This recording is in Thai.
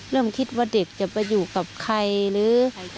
เริ่มคิดว่าเด็กจะไปอยู่กับใครหรือ